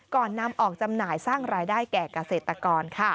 ก่อนนำออกจำหน่ายสร้างรายได้แก่เกษตรกร